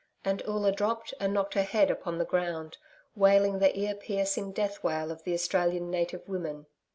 And Oola dropped and knocked her head upon the ground, wailing the ear piercing death wail of the Australian native women.